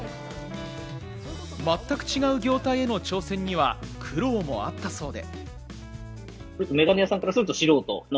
全く違う業態への挑戦には苦労もあったそうで。